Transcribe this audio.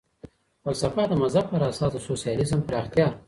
فلسفه د مذهب پر اساس د سوسیالیزم پراختیا.